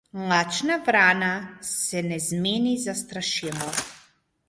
Lačna vrana se ne zmeni za strašilo.